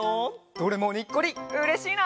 どれもにっこりうれしいな！